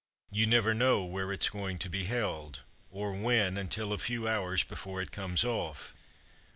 You never know where it's going to be held, or when, until a few hours before it comes off.